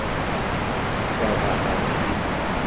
Keṛheɣ taɣect-inu.